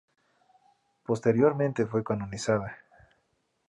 Posteriormente fue canonizada.